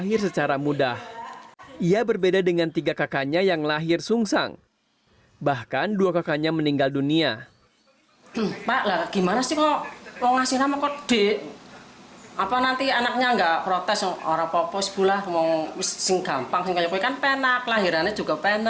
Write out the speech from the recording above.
singkampang kan penak lahirannya juga penak gitu